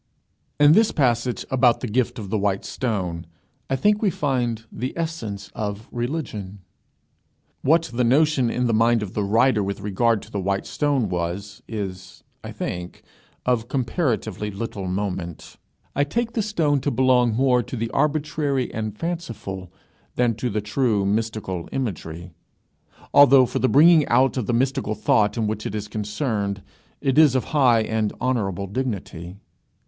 In this passage about the gift of the white stone, I think we find the essence of religion. What the notion in the mind of the writer with regard to the white stone was, is, I think, of comparatively little moment. I take the stone to belong more to the arbitrary and fanciful than to the true mystical imagery, although for the bringing out of the mystical thought in which it is concerned, it is of high and honourable dignity.